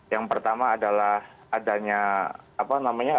yang pertama adalah adanya apa namanya